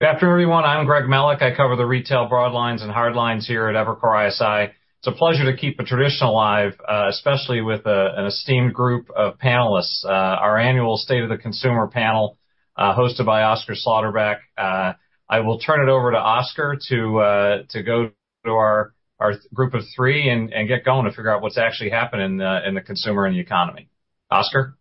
Good afternoon, everyone. I'm Greg Melich. I cover the retail broadlines and hardlines here at Evercore ISI. It's a pleasure to keep a tradition alive, especially with an esteemed group of panelists. Our annual State of the Consumer panel, hosted by Oscar Sloterbeck. I will turn it over to Oscar to go to our group of three and get going to figure out what's actually happening in the consumer and the economy. Oscar?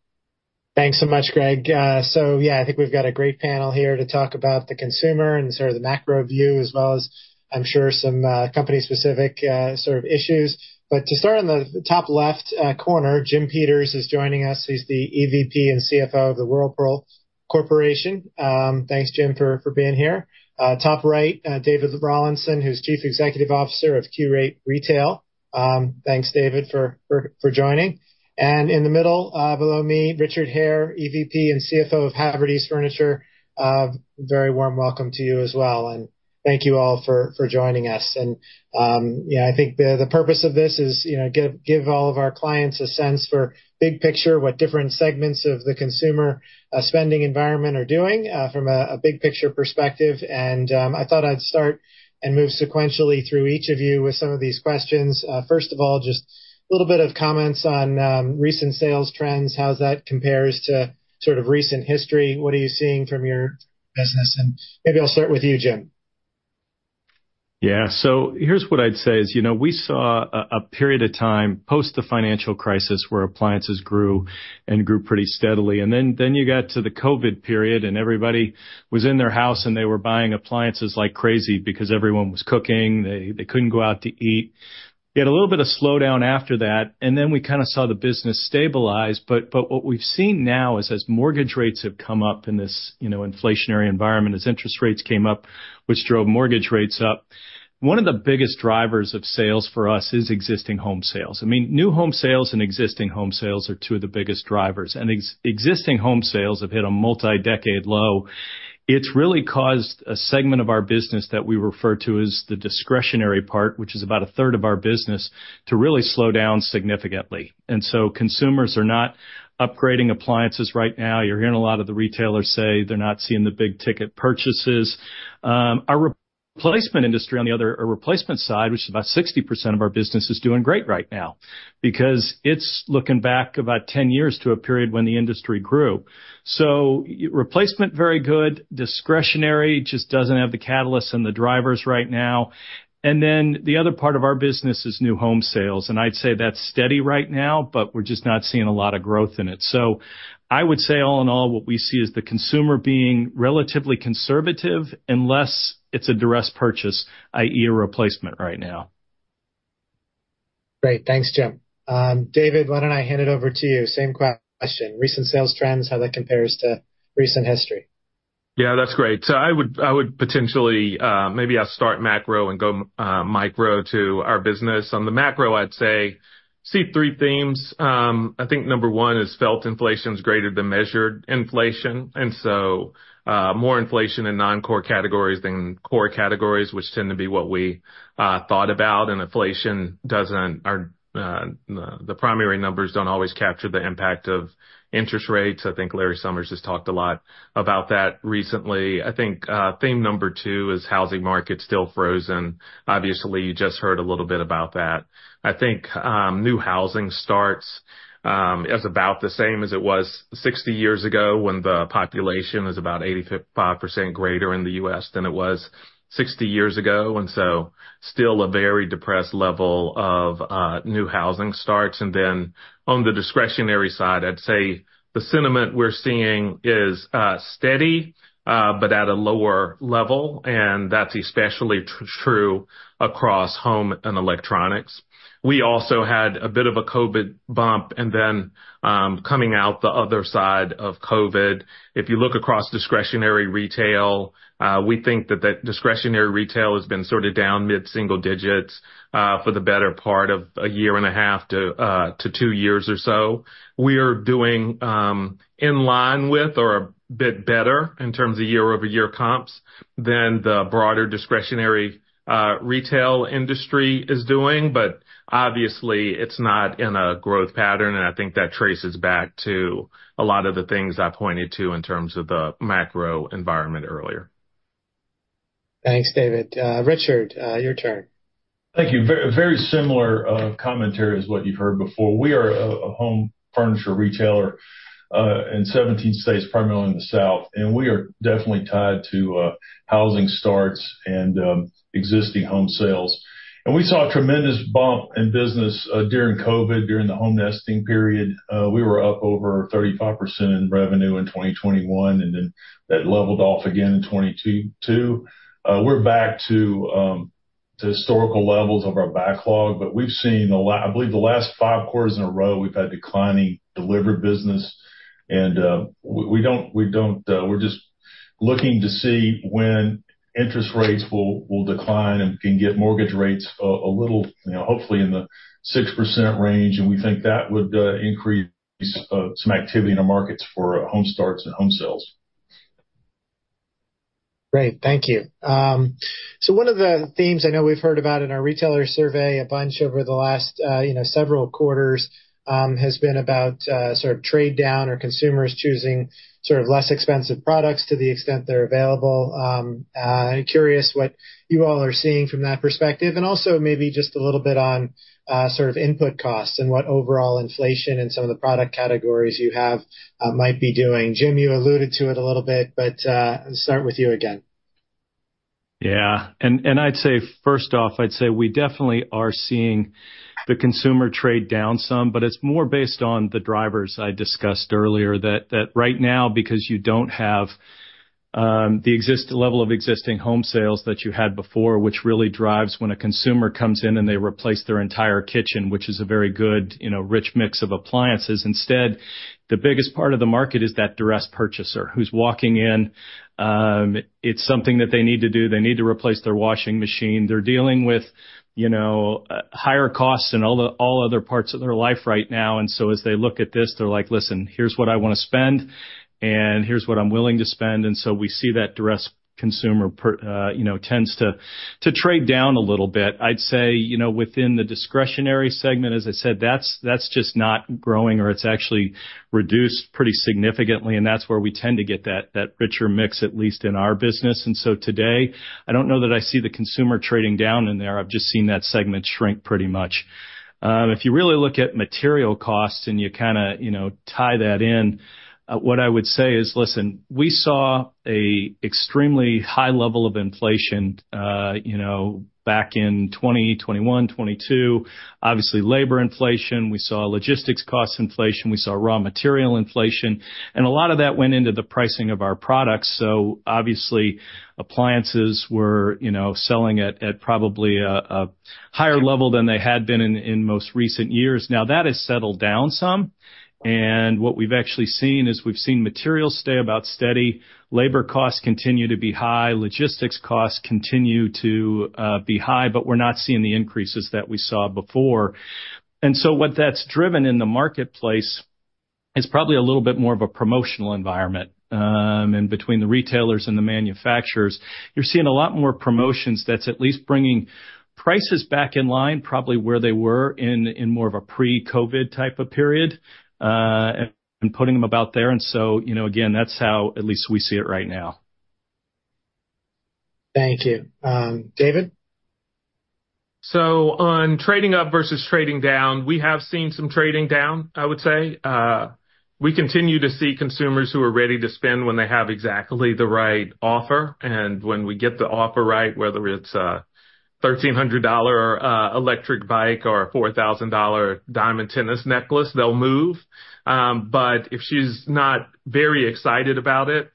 Thanks so much, Greg. So yeah, I think we've got a great panel here to talk about the consumer and sort of the macro view, as well as, I'm sure, some company-specific sort of issues. But to start, on the top left corner, Jim Peters is joining us. He's the EVP and CFO of the Whirlpool Corporation. Thanks, Jim, for being here. Top right, David Rawlinson, who's Chief Executive Officer of Qurate Retail. Thanks, David, for joining. And in the middle below me, Richard Hare, EVP and CFO of Havertys Furniture. Very warm welcome to you as well. And thank you all for joining us. And I think the purpose of this is to give all of our clients a sense for big picture, what different segments of the consumer spending environment are doing from a big picture perspective. I thought I'd start and move sequentially through each of you with some of these questions. First of all, just a little bit of comments on recent sales trends, how that compares to sort of recent history. What are you seeing from your business? And maybe I'll start with you, Jim. Yeah, so here's what I'd say. We saw a period of time post the financial crisis where appliances grew and grew pretty steadily. And then you got to the COVID period, and everybody was in their house, and they were buying appliances like crazy because everyone was cooking. They couldn't go out to eat. We had a little bit of slowdown after that, and then we kind of saw the business stabilize. But what we've seen now is, as mortgage rates have come up in this inflationary environment, as interest rates came up, which drove mortgage rates up, one of the biggest drivers of sales for us is existing home sales. I mean, new home sales and existing home sales are two of the biggest drivers. And existing home sales have hit a multi-decade low. It's really caused a segment of our business that we refer to as the discretionary part, which is about a third of our business, to really slow down significantly. So consumers are not upgrading appliances right now. You're hearing a lot of the retailers say they're not seeing the big ticket purchases. Our replacement industry, on the other replacement side, which is about 60% of our business, is doing great right now because it's looking back about 10 years to a period when the industry grew. So replacement, very good. Discretionary just doesn't have the catalysts and the drivers right now. Then the other part of our business is new home sales. I'd say that's steady right now, but we're just not seeing a lot of growth in it. I would say, all in all, what we see is the consumer being relatively conservative unless it's a duress purchase, i.e., a replacement right now. Great. Thanks, Jim. David, why don't I hand it over to you? Same question. Recent sales trends, how that compares to recent history. Yeah, that's great. So I would potentially maybe I'll start macro and go micro to our business. On the macro, I'd say see 3 themes. I think number 1 is felt inflation is greater than measured inflation. And so more inflation in non-core categories than core categories, which tend to be what we thought about. And inflation doesn't the primary numbers don't always capture the impact of interest rates. I think Larry Summers has talked a lot about that recently. I think theme number 2 is housing market still frozen. Obviously, you just heard a little bit about that. I think new housing starts is about the same as it was 60 years ago when the population is about 85% greater in the U.S. than it was 60 years ago. And so still a very depressed level of new housing starts. Then on the discretionary side, I'd say the sentiment we're seeing is steady but at a lower level. That's especially true across home and electronics. We also had a bit of a COVID bump. Then coming out the other side of COVID, if you look across discretionary retail, we think that discretionary retail has been sort of down mid-single digits for the better part of 1.5 years to 2 years or so. We are doing in line with or a bit better in terms of year-over-year comps than the broader discretionary retail industry is doing. But obviously, it's not in a growth pattern. I think that traces back to a lot of the things I pointed to in terms of the macro environment earlier. Thanks, David. Richard, your turn. Thank you. Very similar commentary as what you've heard before. We are a home furniture retailer in 17 states, primarily in the South. We are definitely tied to housing starts and existing home sales. We saw a tremendous bump in business during COVID, during the home nesting period. We were up over 35% in revenue in 2021, and then that leveled off again in 2022. We're back to historical levels of our backlog. But we've seen, I believe, the last 5 quarters in a row, we've had declining delivery business. We don't; we're just looking to see when interest rates will decline and can get mortgage rates a little, hopefully, in the 6% range. We think that would increase some activity in our markets for home starts and home sales. Great. Thank you. So one of the themes I know we've heard about in our retailer survey a bunch over the last several quarters has been about sort of trade down or consumers choosing sort of less expensive products to the extent they're available. I'm curious what you all are seeing from that perspective? And also maybe just a little bit on sort of input costs and what overall inflation in some of the product categories you have might be doing. Jim, you alluded to it a little bit, but I'll start with you again. Yeah. I'd say, first off, I'd say we definitely are seeing the consumer trade down some, but it's more based on the drivers I discussed earlier that right now, because you don't have the level of existing home sales that you had before, which really drives when a consumer comes in and they replace their entire kitchen, which is a very good, rich mix of appliances. Instead, the biggest part of the market is that duress purchaser who's walking in. It's something that they need to do. They need to replace their washing machine. They're dealing with higher costs and all other parts of their life right now. And so as they look at this, they're like, "Listen, here's what I want to spend, and here's what I'm willing to spend." And so we see that duress consumer tends to trade down a little bit. I'd say within the discretionary segment, as I said, that's just not growing, or it's actually reduced pretty significantly. That's where we tend to get that richer mix, at least in our business. So today, I don't know that I see the consumer trading down in there. I've just seen that segment shrink pretty much. If you really look at material costs and you kind of tie that in, what I would say is, "Listen, we saw an extremely high level of inflation back in 2021, 2022, obviously labor inflation. We saw logistics cost inflation. We saw raw material inflation. And a lot of that went into the pricing of our products." So obviously, appliances were selling at probably a higher level than they had been in most recent years. Now, that has settled down some. And what we've actually seen is we've seen materials stay about steady. Labor costs continue to be high. Logistics costs continue to be high, but we're not seeing the increases that we saw before. And so what that's driven in the marketplace is probably a little bit more of a promotional environment. And between the retailers and the manufacturers, you're seeing a lot more promotions. That's at least bringing prices back in line, probably where they were in more of a pre-COVID type of period and putting them about there. And so again, that's how at least we see it right now. Thank you. David? So on trading up versus trading down, we have seen some trading down, I would say. We continue to see consumers who are ready to spend when they have exactly the right offer. And when we get the offer right, whether it's a $1,300 electric bike or a $4,000 diamond tennis necklace, they'll move. But if she's not very excited about it,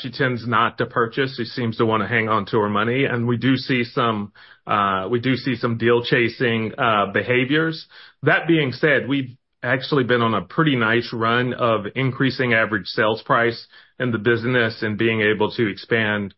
she tends not to purchase. She seems to want to hang on to her money. And we do see some deal-chasing behaviors. That being said, we've actually been on a pretty nice run of increasing average sales price in the business and being able to expand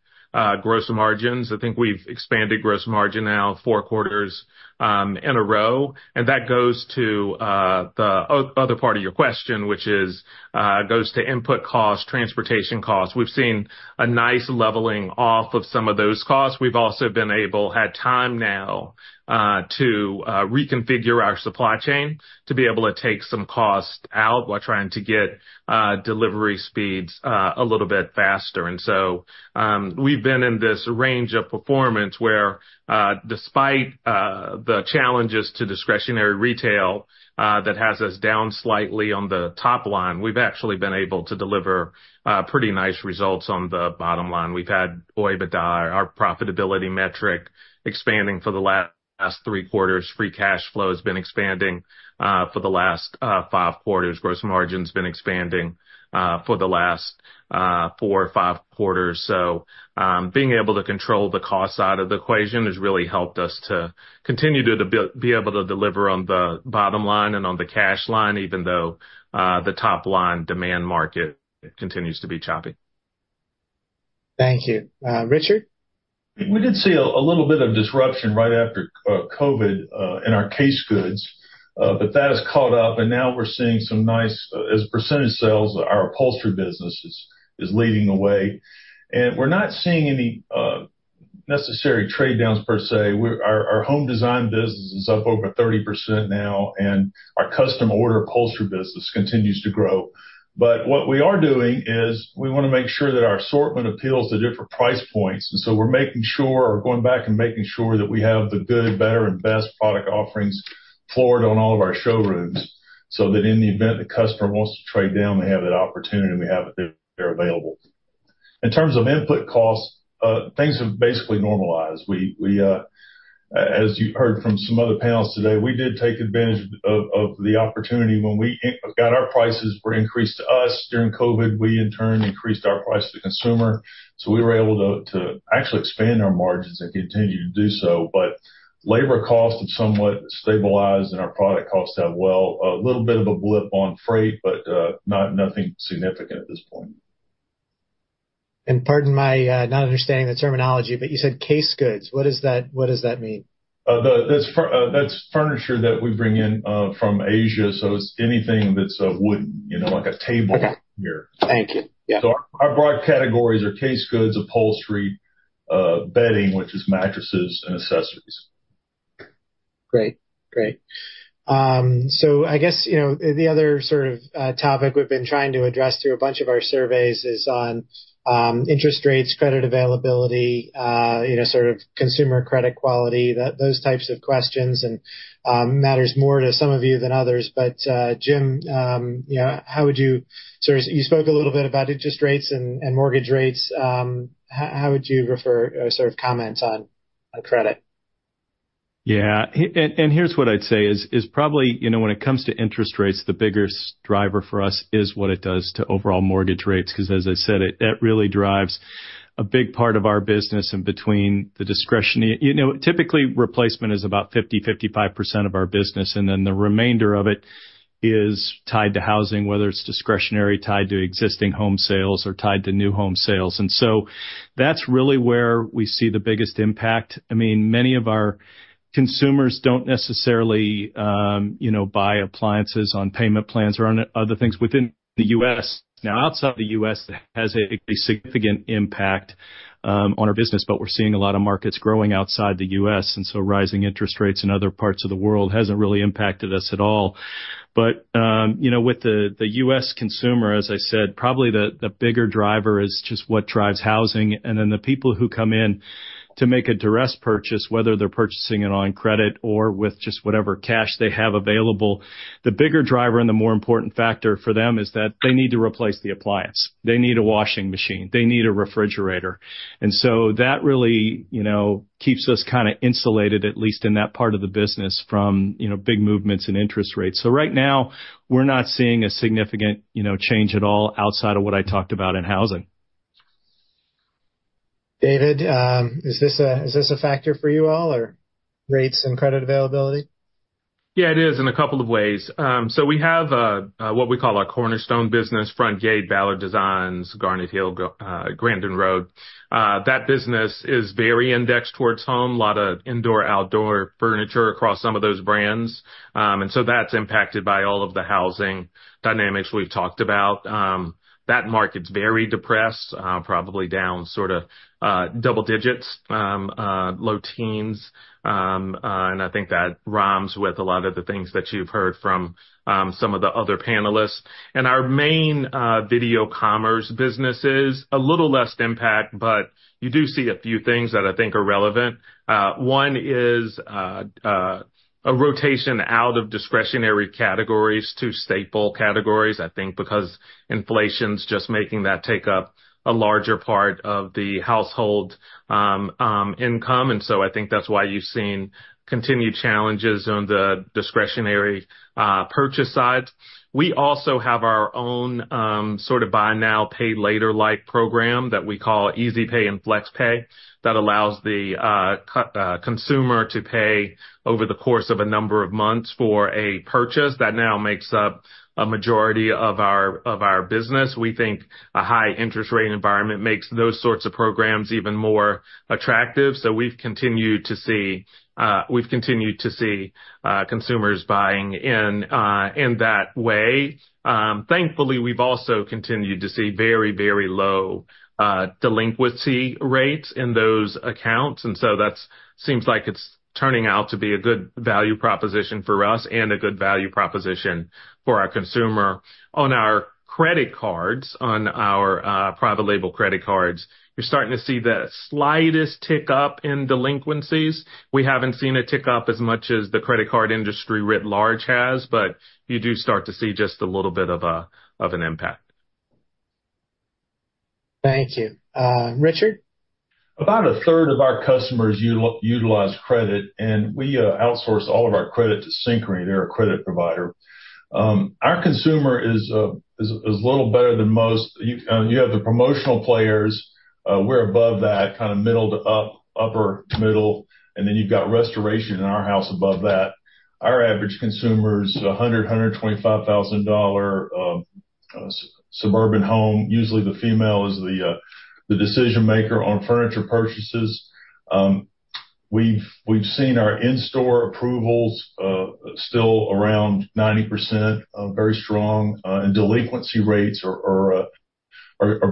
gross margins. I think we've expanded gross margin now four quarters in a row. And that goes to the other part of your question, which goes to input costs, transportation costs. We've seen a nice leveling off of some of those costs. We've also been able, at time now, to reconfigure our supply chain to be able to take some costs out while trying to get delivery speeds a little bit faster. And so we've been in this range of performance where, despite the challenges to discretionary retail that has us down slightly on the top line, we've actually been able to deliver pretty nice results on the bottom line. We've had OIBDA, our profitability metric, expanding for the last 3 quarters. Free cash flow has been expanding for the last 5 quarters. Gross margin has been expanding for the last 4 or 5 quarters. So being able to control the cost side of the equation has really helped us to continue to be able to deliver on the bottom line and on the cash line, even though the top line demand market continues to be choppy. Thank you. Richard? We did see a little bit of disruption right after COVID in our case goods, but that has caught up. Now we're seeing some nice, as a percentage sales, our upholstery business is leading the way. We're not seeing any necessary trade downs per se. Our home design business is up over 30% now, and our custom order upholstery business continues to grow. But what we are doing is we want to make sure that our assortment appeals to different price points. So we're making sure or going back and making sure that we have the good, better, and best product offerings floored on all of our showrooms so that in the event the customer wants to trade down, they have that opportunity and we have it there available. In terms of input costs, things have basically normalized. As you heard from some other panelists today, we did take advantage of the opportunity when we got our prices were increased to us. During COVID, we in turn increased our price to the consumer. So we were able to actually expand our margins and continue to do so. But labor costs have somewhat stabilized, and our product costs have well. A little bit of a blip on freight, but nothing significant at this point. Pardon my not understanding the terminology, but you said case goods. What does that mean? That's furniture that we bring in from Asia. So it's anything that's wooden, like a table here. Thank you. Yeah. Our broad categories are case goods, upholstery, bedding, which is mattresses and accessories. Great. Great. So I guess the other sort of topic we've been trying to address through a bunch of our surveys is on interest rates, credit availability, sort of consumer credit quality, those types of questions. And it matters more to some of you than others. But Jim, how would you sort of you spoke a little bit about interest rates and mortgage rates. How would you refer or sort of comment on credit? Yeah. And here's what I'd say is probably when it comes to interest rates, the biggest driver for us is what it does to overall mortgage rates because, as I said, it really drives a big part of our business. And between the discretionary, typically replacement is about 50%-55% of our business. And then the remainder of it is tied to housing, whether it's discretionary tied to existing home sales or tied to new home sales. And so that's really where we see the biggest impact. I mean, many of our consumers don't necessarily buy appliances on payment plans or other things within the U.S. Now, outside the U.S., it has a significant impact on our business, but we're seeing a lot of markets growing outside the U.S. And so rising interest rates in other parts of the world hasn't really impacted us at all. But with the U.S. consumer, as I said, probably the bigger driver is just what drives housing. And then the people who come in to make a duress purchase, whether they're purchasing it on credit or with just whatever cash they have available, the bigger driver and the more important factor for them is that they need to replace the appliance. They need a washing machine. They need a refrigerator. And so that really keeps us kind of insulated, at least in that part of the business, from big movements in interest rates. So right now, we're not seeing a significant change at all outside of what I talked about in housing. David, is this a factor for you all or rates and credit availability? Yeah, it is in a couple of ways. So we have what we call our Cornerstone business, Frontgate, Ballard Designs, Garnet Hill, Grandin Road. That business is very indexed towards home, a lot of indoor-outdoor furniture across some of those brands. And so that's impacted by all of the housing dynamics we've talked about. That market's very depressed, probably down sort of double digits, low teens. And I think that rhymes with a lot of the things that you've heard from some of the other panelists. And our main video commerce business is a little less impact, but you do see a few things that I think are relevant. One is a rotation out of discretionary categories to staple categories, I think, because inflation's just making that take up a larger part of the household income. And so I think that's why you've seen continued challenges on the discretionary purchase side. We also have our own sort of buy now, pay later-like program that we call Easy Pay and FlexPay that allows the consumer to pay over the course of a number of months for a purchase. That now makes up a majority of our business. We think a high interest rate environment makes those sorts of programs even more attractive. So we've continued to see we've continued to see consumers buying in that way. Thankfully, we've also continued to see very, very low delinquency rates in those accounts. And so that seems like it's turning out to be a good value proposition for us and a good value proposition for our consumer. On our credit cards, on our private label credit cards, you're starting to see the slightest tick up in delinquencies. We haven't seen a tick up as much as the credit card industry writ large has, but you do start to see just a little bit of an impact. Thank you. Richard? About a third of our customers utilize credit, and we outsource all of our credit to Synchrony. They're a credit provider. Our consumer is a little better than most. You have the promotional players. We're above that, kind of middle to up, upper, middle. And then you've got Restoration Hardware and Arhaus above that. Our average consumer is $100,000-$125,000 suburban home. Usually, the female is the decision maker on furniture purchases. We've seen our in-store approvals still around 90%, very strong. And delinquency rates are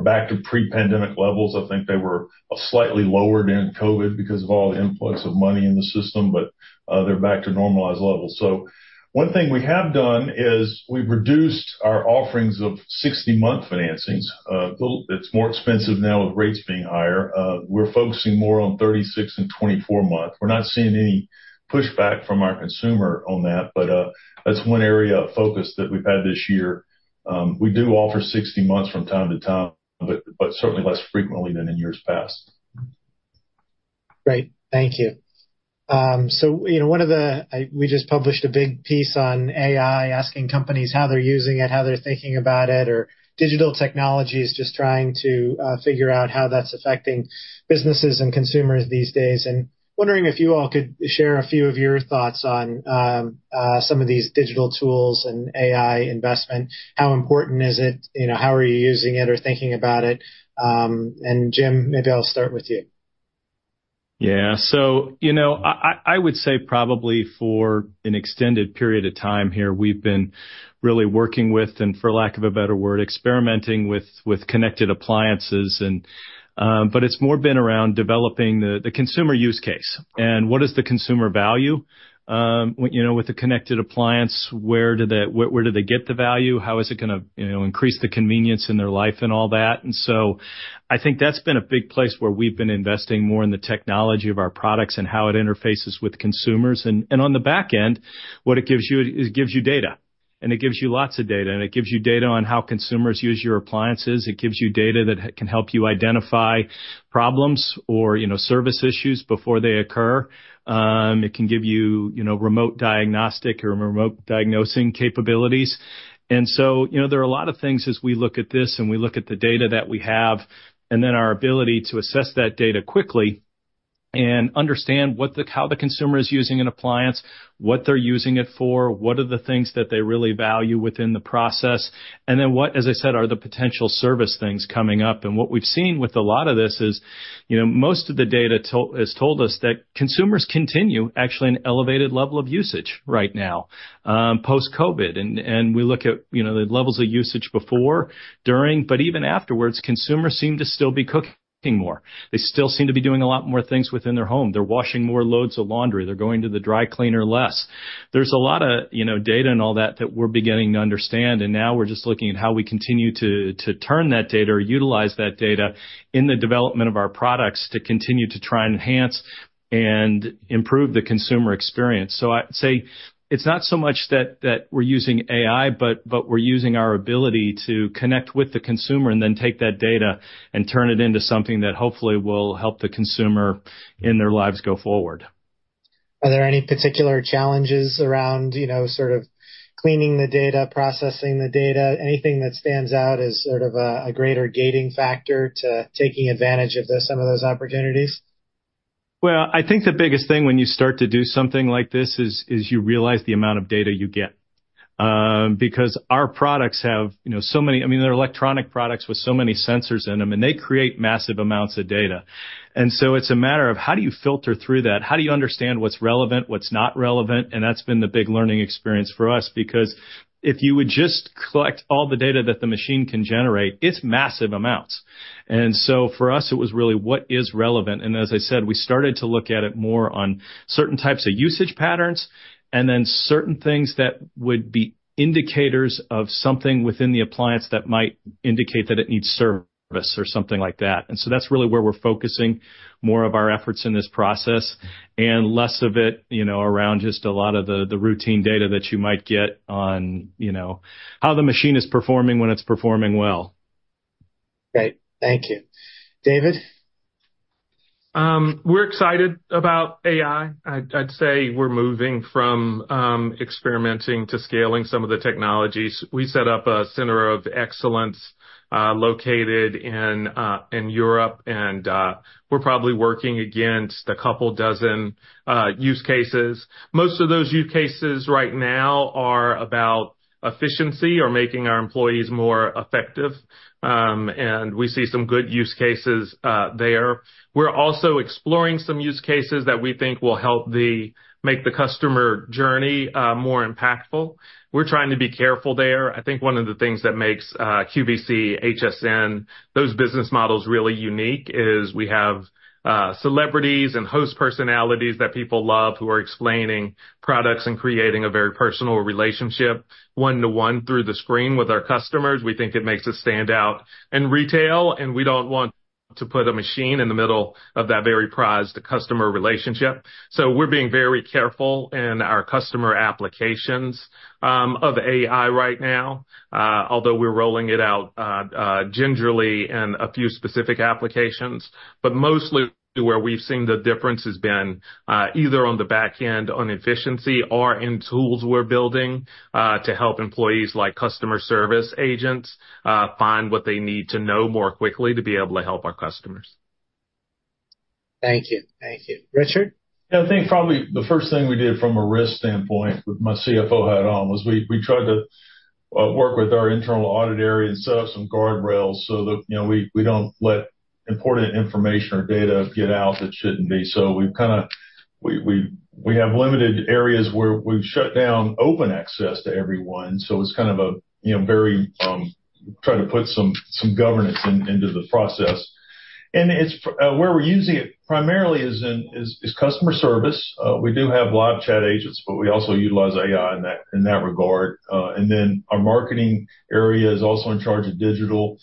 back to pre-pandemic levels. I think they were slightly lower during COVID because of all the influx of money in the system, but they're back to normalized levels. So one thing we have done is we've reduced our offerings of 60-month financings. It's more expensive now with rates being higher. We're focusing more on 36- and 24-month. We're not seeing any pushback from our consumer on that, but that's one area of focus that we've had this year. We do offer 60 months from time to time, but certainly less frequently than in years past. Great. Thank you. So, one of the, we just published a big piece on AI, asking companies how they're using it, how they're thinking about it, or digital technologies just trying to figure out how that's affecting businesses and consumers these days. Wondering if you all could share a few of your thoughts on some of these digital tools and AI investment. How important is it? How are you using it or thinking about it? Jim, maybe I'll start with you. Yeah. So I would say probably for an extended period of time here, we've been really working with, and for lack of a better word, experimenting with connected appliances. But it's more been around developing the consumer use case. And what is the consumer value with a connected appliance? Where do they get the value? How is it going to increase the convenience in their life and all that? And so I think that's been a big place where we've been investing more in the technology of our products and how it interfaces with consumers. And on the back end, what it gives you, it gives you data. And it gives you lots of data. And it gives you data on how consumers use your appliances. It gives you data that can help you identify problems or service issues before they occur. It can give you remote diagnostic or remote diagnosing capabilities. So there are a lot of things as we look at this and we look at the data that we have and then our ability to assess that data quickly and understand how the consumer is using an appliance, what they're using it for, what are the things that they really value within the process, and then what, as I said, are the potential service things coming up. What we've seen with a lot of this is most of the data has told us that consumers continue actually an elevated level of usage right now post-COVID. We look at the levels of usage before, during, but even afterwards, consumers seem to still be cooking more. They still seem to be doing a lot more things within their home. They're washing more loads of laundry. They're going to the dry cleaner less. There's a lot of data and all that that we're beginning to understand. Now we're just looking at how we continue to turn that data or utilize that data in the development of our products to continue to try and enhance and improve the consumer experience. I'd say it's not so much that we're using AI, but we're using our ability to connect with the consumer and then take that data and turn it into something that hopefully will help the consumer in their lives go forward. Are there any particular challenges around sort of cleaning the data, processing the data? Anything that stands out as sort of a greater gating factor to taking advantage of some of those opportunities? Well, I think the biggest thing when you start to do something like this is you realize the amount of data you get because our products have so many I mean, they're electronic products with so many sensors in them, and they create massive amounts of data. And so it's a matter of how do you filter through that? How do you understand what's relevant, what's not relevant? And that's been the big learning experience for us because if you would just collect all the data that the machine can generate, it's massive amounts. And so for us, it was really what is relevant. And as I said, we started to look at it more on certain types of usage patterns and then certain things that would be indicators of something within the appliance that might indicate that it needs service or something like that. And so that's really where we're focusing more of our efforts in this process and less of it around just a lot of the routine data that you might get on how the machine is performing when it's performing well. Great. Thank you. David? We're excited about AI. I'd say we're moving from experimenting to scaling some of the technologies. We set up a Center of Excellence located in Europe, and we're probably working against a couple dozen use cases. Most of those use cases right now are about efficiency or making our employees more effective. We see some good use cases there. We're also exploring some use cases that we think will help make the customer journey more impactful. We're trying to be careful there. I think one of the things that makes QVC, HSN, those business models really unique is we have celebrities and host personalities that people love who are explaining products and creating a very personal relationship one-to-one through the screen with our customers. We think it makes us stand out in retail, and we don't want to put a machine in the middle of that very prized customer relationship. So we're being very careful in our customer applications of AI right now, although we're rolling it out gingerly in a few specific applications. But mostly where we've seen the difference has been either on the back end, on efficiency, or in tools we're building to help employees like customer service agents find what they need to know more quickly to be able to help our customers. Thank you. Thank you. Richard? Yeah. I think probably the first thing we did from a risk standpoint with my CFO hat on was we tried to work with our internal audit area and set up some guardrails so that we don't let important information or data get out that shouldn't be. So we have limited areas where we've shut down open access to everyone. So it's kind of a very try to put some governance into the process. And where we're using it primarily is customer service. We do have live chat agents, but we also utilize AI in that regard. And then our marketing area is also in charge of digital.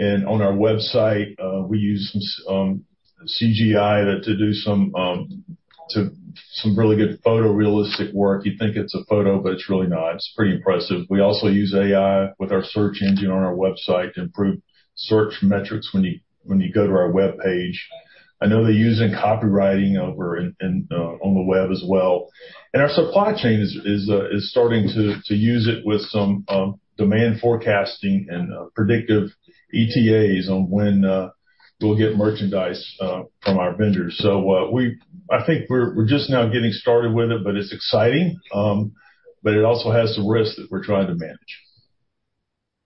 And on our website, we use some CGI to do some really good photorealistic work. You think it's a photo, but it's really not. It's pretty impressive. We also use AI with our search engine on our website to improve search metrics when you go to our web page. I know they're using copywriting on the web as well. Our supply chain is starting to use it with some demand forecasting and predictive ETAs on when we'll get merchandise from our vendors. I think we're just now getting started with it, but it's exciting. But it also has some risks that we're trying to manage.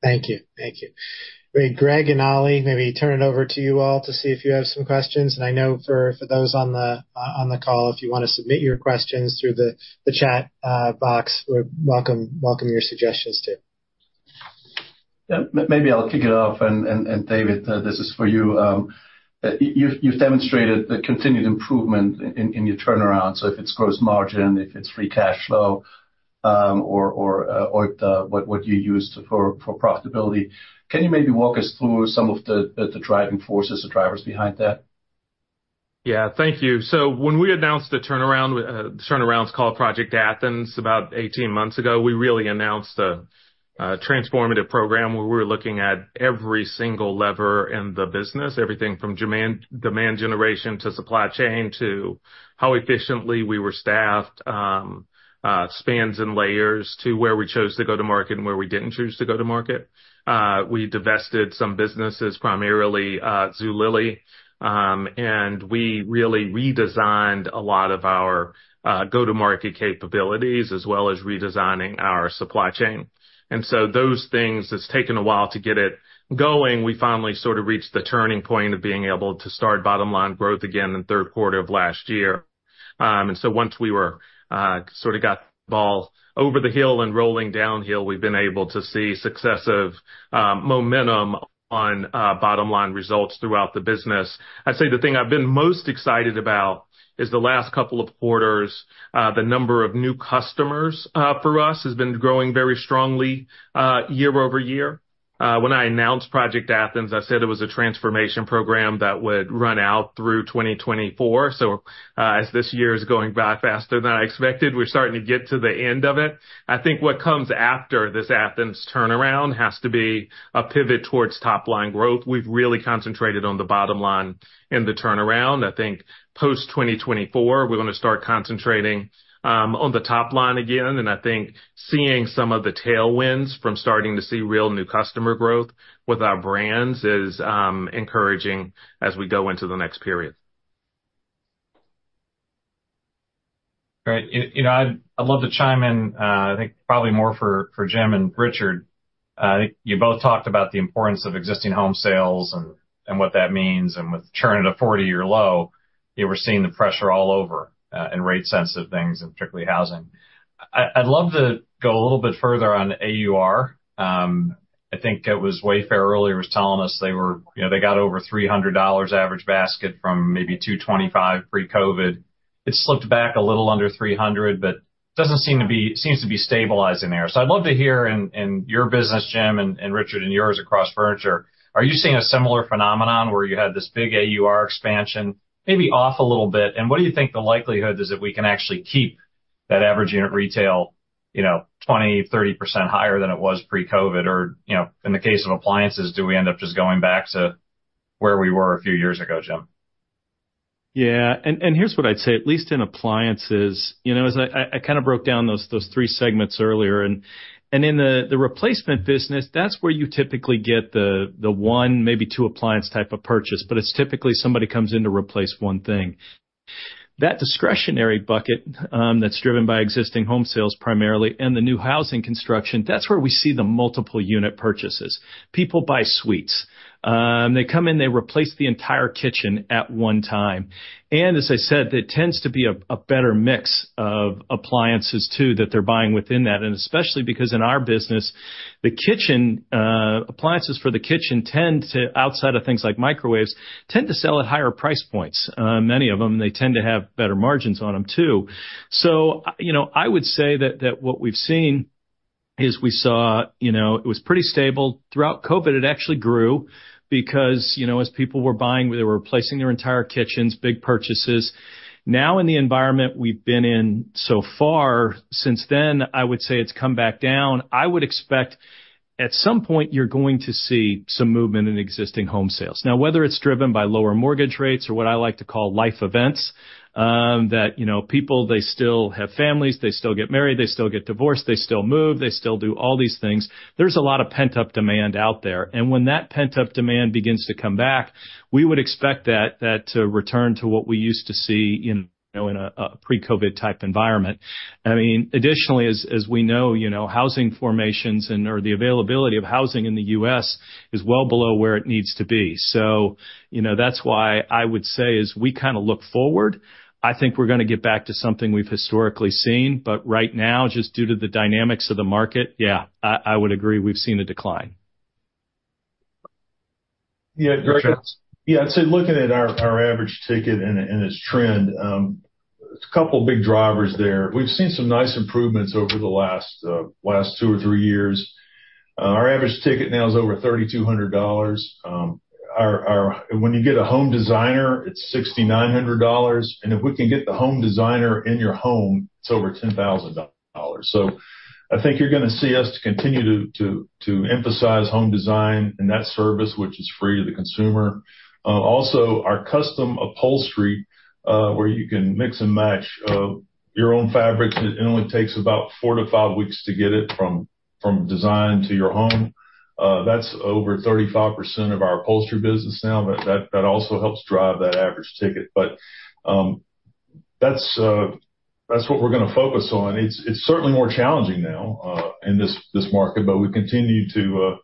Thank you. Thank you. Great. Greg and Ali, maybe turn it over to you all to see if you have some questions. I know for those on the call, if you want to submit your questions through the chat box, we welcome your suggestions too. Maybe I'll kick it off. And David, this is for you. You've demonstrated the continued improvement in your turnaround. So if it's gross margin, if it's free cash flow, or what you use for profitability, can you maybe walk us through some of the driving forces or drivers behind that? Yeah. Thank you. So when we announced the turnaround, the turnaround's called Project Athens about 18 months ago, we really announced a transformative program where we were looking at every single lever in the business, everything from demand generation to supply chain to how efficiently we were staffed, spans and layers to where we chose to go to market and where we didn't choose to go to market. We divested some businesses, primarily Zulily. And we really redesigned a lot of our go-to-market capabilities as well as redesigning our supply chain. And so those things, it's taken a while to get it going. We finally sort of reached the turning point of being able to start bottom-line growth again in the third quarter of last year. Once we sort of got the ball over the hill and rolling downhill, we've been able to see successive momentum on bottom-line results throughout the business. I'd say the thing I've been most excited about is the last couple of quarters. The number of new customers for us has been growing very strongly year-over-year. When I announced Project Athens, I said it was a transformation program that would run out through 2024. As this year is going by faster than I expected, we're starting to get to the end of it. I think what comes after this Athens turnaround has to be a pivot towards top-line growth. We've really concentrated on the bottom line in the turnaround. I think post-2024, we're going to start concentrating on the top line again. I think seeing some of the tailwinds from starting to see real new customer growth with our brands is encouraging as we go into the next period. Great. I'd love to chime in, I think probably more for Jim and Richard. I think you both talked about the importance of existing home sales and what that means. And with churn at a 40-year low, we're seeing the pressure all over in rate-sensitive things, and particularly housing. I'd love to go a little bit further on AUR. I think it was Wayfair earlier was telling us they got over $300 average basket from maybe 225 pre-COVID. It slipped back a little under 300, but it seems to be stabilizing there. So I'd love to hear in your business, Jim and Richard, and yours across furniture, are you seeing a similar phenomenon where you had this big AUR expansion, maybe off a little bit? And what do you think the likelihood is that we can actually keep that average unit retail 20%-30% higher than it was pre-COVID? Or in the case of appliances, do we end up just going back to where we were a few years ago, Jim? Yeah. And here's what I'd say, at least in appliances, as I kind of broke down those 3 segments earlier. And in the replacement business, that's where you typically get the 1, maybe 2 appliance type of purchase, but it's typically somebody comes in to replace one thing. That discretionary bucket that's driven by existing home sales primarily and the new housing construction, that's where we see the multiple unit purchases. People buy suites. They come in, they replace the entire kitchen at one time. And as I said, there tends to be a better mix of appliances too that they're buying within that. And especially because in our business, the kitchen appliances for the kitchen tend to, outside of things like microwaves, tend to sell at higher price points. Many of them, they tend to have better margins on them too. So I would say that what we've seen is we saw it was pretty stable. Throughout COVID, it actually grew because as people were buying, they were replacing their entire kitchens, big purchases. Now in the environment we've been in so far since then, I would say it's come back down. I would expect at some point you're going to see some movement in existing home sales. Now, whether it's driven by lower mortgage rates or what I like to call life events, that people, they still have families, they still get married, they still get divorced, they still move, they still do all these things, there's a lot of pent-up demand out there. And when that pent-up demand begins to come back, we would expect that to return to what we used to see in a pre-COVID type environment. I mean, additionally, as we know, housing formations and/or the availability of housing in the U.S. is well below where it needs to be. So that's why I would say as we kind of look forward, I think we're going to get back to something we've historically seen. But right now, just due to the dynamics of the market, yeah, I would agree we've seen a decline. Yeah. Yeah. I'd say looking at our average ticket and its trend, a couple of big drivers there. We've seen some nice improvements over the last two or three years. Our average ticket now is over $3,200. When you get a home designer, it's $6,900. And if we can get the home designer in your home, it's over $10,000. So I think you're going to see us continue to emphasize home design and that service, which is free to the consumer. Also, our custom upholstery where you can mix and match your own fabrics, it only takes about four to five weeks to get it from design to your home. That's over 35% of our upholstery business now. That also helps drive that average ticket. But that's what we're going to focus on. It's certainly more challenging now in this market, but we continue to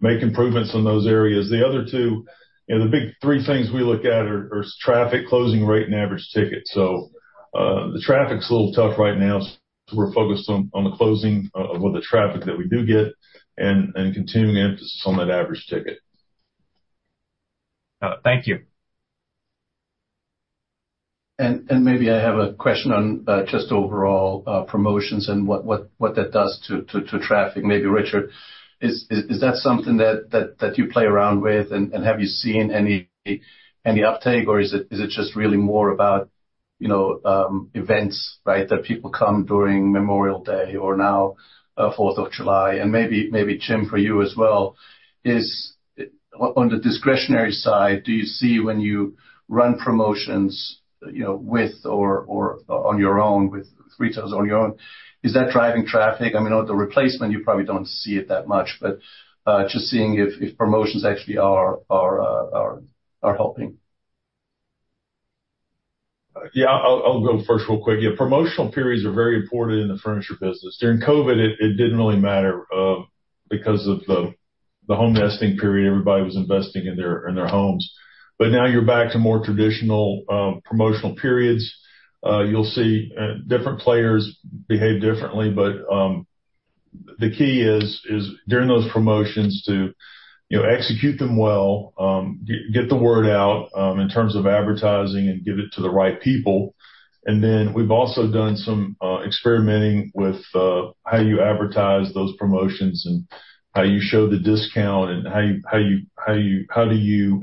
make improvements in those areas. The other two, the big three things we look at are traffic, closing rate, and average ticket. So the traffic's a little tough right now. So we're focused on the closing of the traffic that we do get and continuing emphasis on that average ticket. Thank you. And maybe I have a question on just overall promotions and what that does to traffic. Maybe Richard, is that something that you play around with? And have you seen any uptake? Or is it just really more about events, right, that people come during Memorial Day or now 4th of July? And maybe Jim for you as well. On the discretionary side, do you see when you run promotions with or on your own with retailers on your own, is that driving traffic? I mean, with the replacement, you probably don't see it that much, but just seeing if promotions actually are helping. Yeah. I'll go first real quick. Yeah. Promotional periods are very important in the furniture business. During COVID, it didn't really matter because of the home nesting period. Everybody was investing in their homes. But now you're back to more traditional promotional periods. You'll see different players behave differently. But the key is during those promotions to execute them well, get the word out in terms of advertising and get it to the right people. And then we've also done some experimenting with how you advertise those promotions and how you show the discount and how do you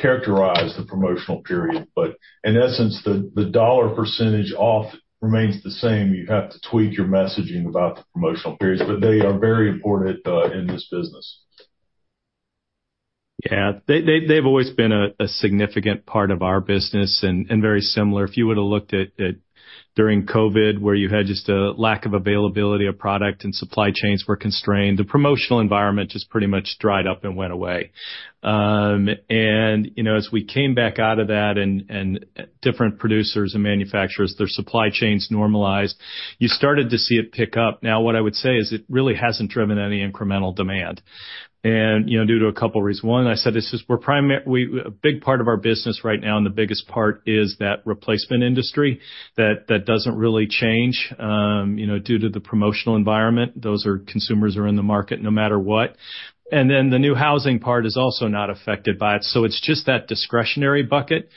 characterize the promotional period. But in essence, the dollar percentage off remains the same. You have to tweak your messaging about the promotional periods, but they are very important in this business. Yeah. They've always been a significant part of our business and very similar. If you would have looked at during COVID where you had just a lack of availability of product and supply chains were constrained, the promotional environment just pretty much dried up and went away. As we came back out of that and different producers and manufacturers, their supply chains normalized, you started to see it pick up. Now, what I would say is it really hasn't driven any incremental demand. Due to a couple of reasons. One, I said this is a big part of our business right now, and the biggest part is that replacement industry that doesn't really change due to the promotional environment. Those are consumers who are in the market no matter what. Then the new housing part is also not affected by it. So it's just that discretionary bucket.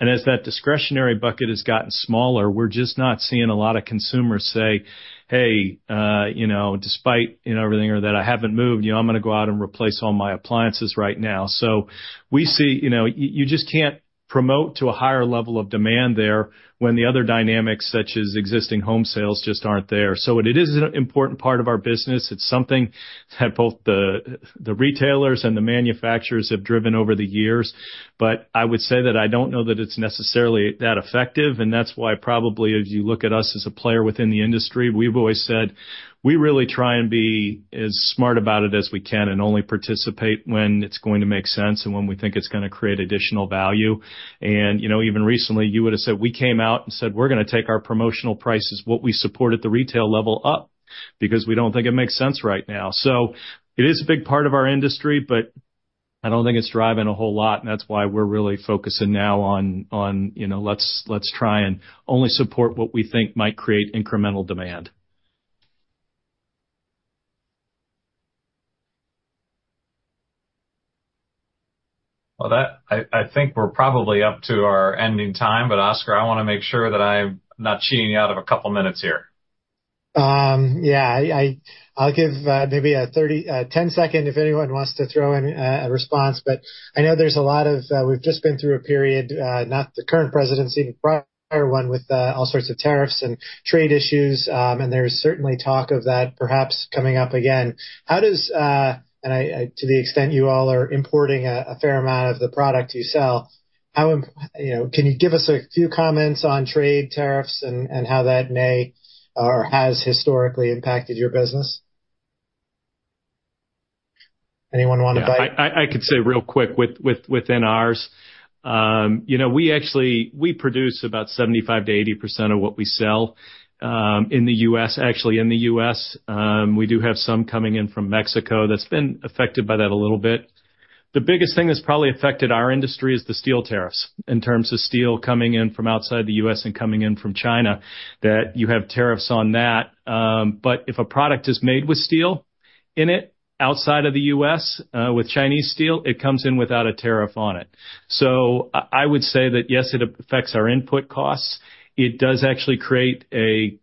As that discretionary bucket has gotten smaller, we're just not seeing a lot of consumers say, "Hey, despite everything or that, I haven't moved. I'm going to go out and replace all my appliances right now." So we see you just can't promote to a higher level of demand there when the other dynamics, such as existing home sales, just aren't there. So it is an important part of our business. It's something that both the retailers and the manufacturers have driven over the years. But I would say that I don't know that it's necessarily that effective. And that's why probably if you look at us as a player within the industry, we've always said we really try and be as smart about it as we can and only participate when it's going to make sense and when we think it's going to create additional value. Even recently, you would have said we came out and said, "We're going to take our promotional prices, what we support at the retail level, up because we don't think it makes sense right now." So it is a big part of our industry, but I don't think it's driving a whole lot. And that's why we're really focusing now on let's try and only support what we think might create incremental demand. Well, I think we're probably up to our ending time. But Oscar, I want to make sure that I'm not cheating you out of a couple of minutes here. Yeah. I'll give maybe a 10-second if anyone wants to throw in a response. But I know there's a lot we've just been through a period, not the current presidency, the prior one with all sorts of tariffs and trade issues. And there's certainly talk of that perhaps coming up again. And to the extent you all are importing a fair amount of the product you sell, can you give us a few comments on trade tariffs and how that may or has historically impacted your business? Anyone want to buy? I could say real quick within ours, we produce about 75%-80% of what we sell in the U.S., actually in the U.S. We do have some coming in from Mexico. That's been affected by that a little bit. The biggest thing that's probably affected our industry is the steel tariffs in terms of steel coming in from outside the U.S. and coming in from China, that you have tariffs on that. But if a product is made with steel in it outside of the U.S. with Chinese steel, it comes in without a tariff on it. So I would say that, yes, it affects our input costs. It does actually create a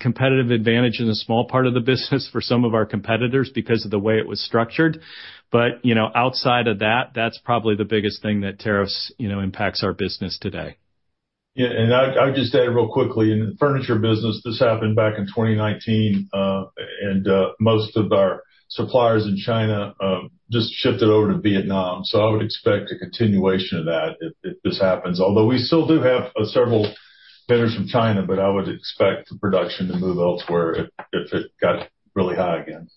competitive advantage in a small part of the business for some of our competitors because of the way it was structured. Outside of that, that's probably the biggest thing that tariffs impacts our business today. Yeah. I would just add really quickly, in the furniture business, this happened back in 2019, and most of our suppliers in China just shifted over to Vietnam. So I would expect a continuation of that if this happens. Although we still do have several vendors from China, but I would expect the production to move elsewhere if it got really high again.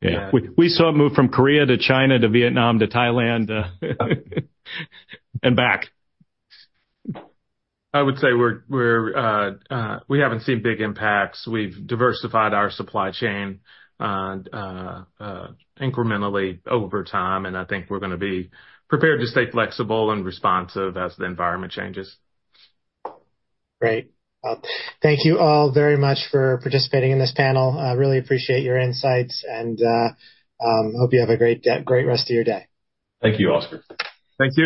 Yeah. We saw it move from Korea to China to Vietnam to Thailand and back. I would say we haven't seen big impacts. We've diversified our supply chain incrementally over time. I think we're going to be prepared to stay flexible and responsive as the environment changes. Great. Thank you all very much for participating in this panel. I really appreciate your insights. I hope you have a great rest of your day. Thank you, Oscar. Thank you.